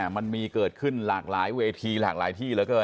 มันมีเกิดขึ้นหลากหลายเวทีหลากหลายที่เหลือเกิน